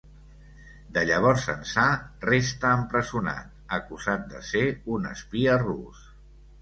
De llavors ençà, resta empresonat, acusat de ser un espia rus.